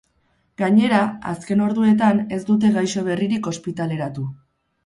Gainera, azken orduetan ez dute gaixo berririk ospitaleratu.